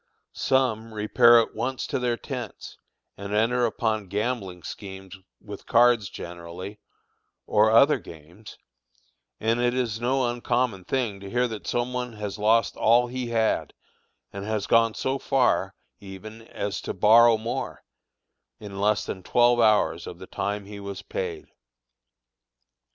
Some repair at once to their tents and enter upon gambling schemes with cards generally, or other games; and it is no uncommon thing to hear that some one has lost all he had, and has gone so far even as to borrow more, in less than twelve hours of the time he was paid.